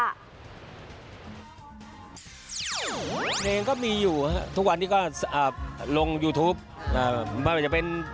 เพลงก็มีอยู่ทุกวันนี้ก็ลงยูทูปไม่ว่าจะเป็น